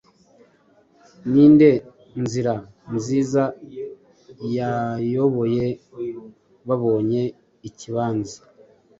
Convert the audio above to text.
Ninde inzira nziza yayoboye babonye ikibanza